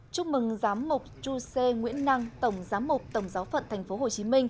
chúc mừng giám mục tru sê nguyễn năng tổng giám mục tổng giáo phận tp hcm